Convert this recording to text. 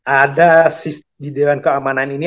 ada di dewan keamanan ini